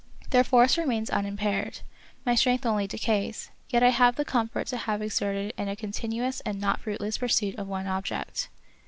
Their force remains unimpaired, — my strength only decays ; yet I have the comfort to have exerted it in a continuous and not fruitless pursuit of one object.